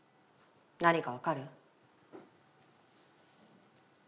何か分かる？